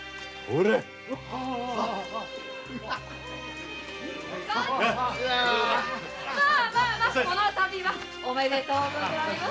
この度はおめでとうございます。